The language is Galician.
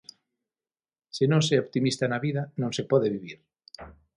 Se non se é optimista na vida, non se pode vivir.